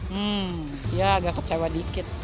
hmm ya agak kecewa dikit